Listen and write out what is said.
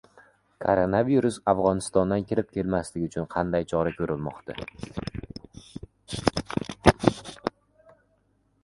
Koronavirus Afg‘onistondan kirib kelmasligi uchun qanday chora ko‘rilmoqda?